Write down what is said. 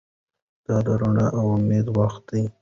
دا د رڼا او امید وخت دی.